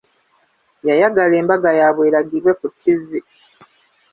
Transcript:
Yayagala embaga yaabwe eragibwe ku tivi.